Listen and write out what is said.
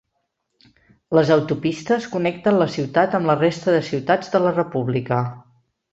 Les autopistes connecten la ciutat amb la resta de ciutats de la república.